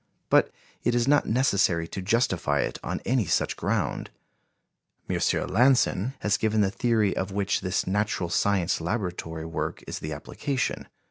But it is not necessary to justify it on any such ground. M. Lanson has given the theory of which this natural science laboratory work is the application.